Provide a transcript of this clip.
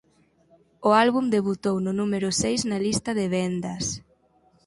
O álbum debutou no número seis na lista de vendas.